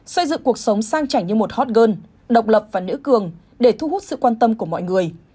xây dựng cuộc sống sang trẻ như một hot girl độc lập và nữ cường để thu hút sự quan tâm của mọi người